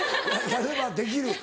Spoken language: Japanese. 「やればできる」。